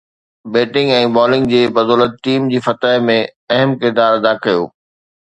batting ۽ bowling جي بدولت team جي فتح ۾ اهم ڪردار ادا ڪيو